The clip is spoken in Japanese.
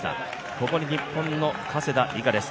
ここに日本の加世田梨花です。